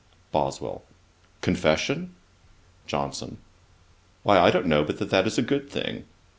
BOSWELL. 'Confession?' JOHNSON. 'Why, I don't know but that is a good thing.